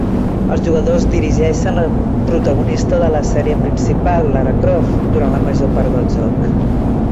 Els jugadors dirigeixen la protagonista de la sèrie principal, Lara Croft, durant la major part del joc.